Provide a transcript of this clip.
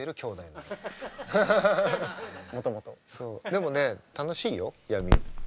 でもね楽しいよ闇。